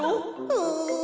うん。